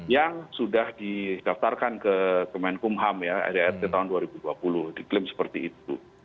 yang sudah didaftarkan ke kemenkumham ya rdrt tahun dua ribu dua puluh diklaim seperti itu